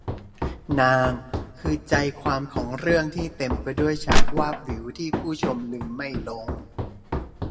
นาง คือใจความของเรื่องที่เต็มไปด้วยฉากวาบหวิวที่ผู้ชมลืมไม่ลง